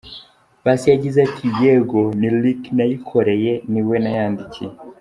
Paccy yagize ati “yego, ni Lick nayikoreye, ni we nayandikiye.